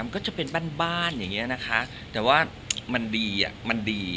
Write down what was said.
ก็จะเป็นบ้านอย่างนี้นะคะแต่ว่ามันดีอ่ะมันดี